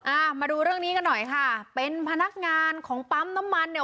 อ่ามาดูเรื่องนี้กันหน่อยค่ะเป็นพนักงานของปั๊มน้ำมันเนี่ย